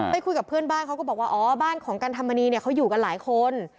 ไปคุยกับเพื่อนบ้านเขาก็บอกว่าอ๋อบ้านของกันธรรมนีเนี่ยเขาอยู่กันหลายคน